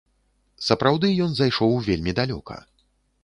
Сапраўды ён зайшоў вельмі далёка.